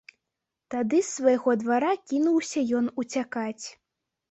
Тады з свайго двара кінуўся ён уцякаць.